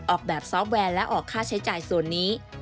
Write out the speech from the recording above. ออกแบบซอฟต์แวร์และออกค่าใช้จ่ายส่วนนี้